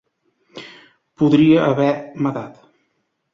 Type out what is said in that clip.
Podria haver matat.